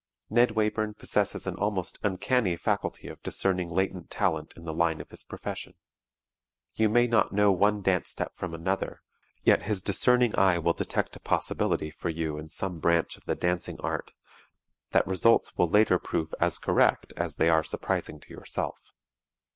Ned Wayburn possesses an almost uncanny faculty of discerning latent talent in the line of his profession. You may not know one dance step from another, yet his discerning eye will detect a possibility for you in some branch of the dancing art that results will later prove as correct as they are surprising to yourself.